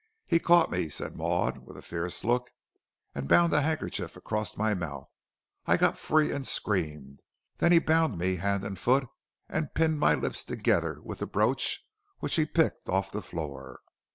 He caught me," said Maud, with a fierce look, "and bound a handkerchief across my mouth. I got free and screamed. Then he bound me hand and foot, and pinned my lips together with the brooch which he picked off the floor.